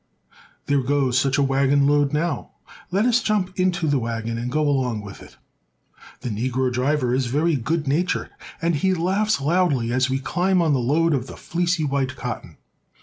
There goes such a wagonload now. Let us jump up into the wagon and go along with it. The negro driver is very good natured, and he laughs loudly as we climb on the load of the fleecy white cotton.